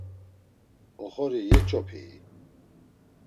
Oxori yeç̌opii?